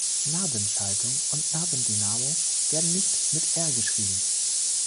Nabenschaltung und Nabendynamo werden nicht mit R geschrieben.